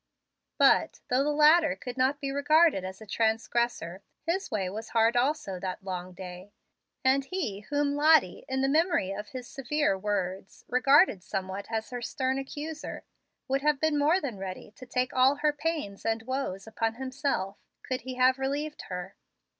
But, though the latter could not be regarded as a transgressor, his way was hard also that long day; and he whom Lottie, in the memory of his severe words, regarded somewhat as her stern accuser, would have been more than ready to take all her pains and woes upon himself, could he have relieved her.